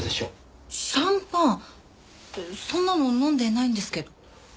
そんなの飲んでないんですけど。